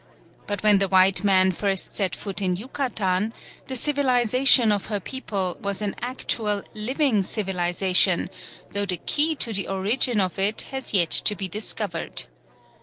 But when the white man first set foot in Yucatan the civilisation of her people was an actual living civilisation, though the key to the origin of it has yet to be discovered.